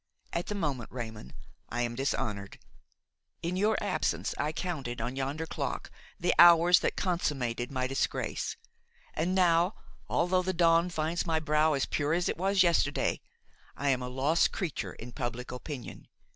At the moment, Raymon, I am dishonored. In your absence I counted on yonder clock the hours that consummated my disgrace; and now, although the dawn finds my brow as pure as it was yesterday, I am a lost creature in public opinion.